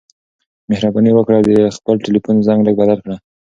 مهرباني وکړه او د خپل ټیلیفون زنګ لږ بدل کړه.